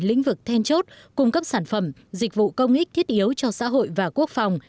lĩnh vực then chốt cung cấp sản phẩm dịch vụ công ích thiết yếu cho xã hội và quốc phòng